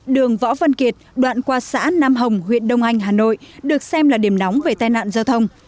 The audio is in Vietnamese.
đường võ văn kiệt đoạn qua xã nam hồng huyện đông anh hà nội được xem là điểm nóng về tai nạn giao thông